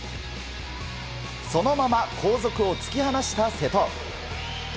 そのまま後続を突き放した瀬戸。